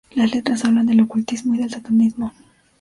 Las letras hablan del ocultismo y del satanismo.